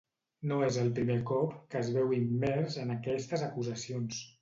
No és el primer cop que es veu immers en aquestes acusacions.